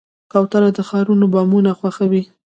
کوتره د ښارونو بامونه خوښوي.